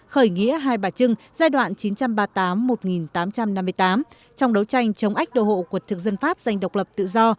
khởi nghĩa hai bà trưng giai đoạn chín trăm ba mươi tám một nghìn tám trăm năm mươi tám trong đấu tranh chống ách đồ hộ quật thực dân pháp giành độc lập tự do